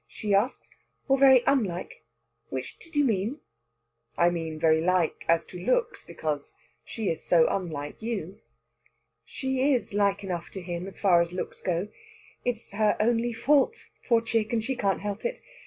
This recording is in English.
she asks "or very unlike? Which did you mean?" "I mean very like as to looks. Because she is so unlike you." "She is like enough to him, as far as looks go. It's her only fault, poor chick, and she can't help it.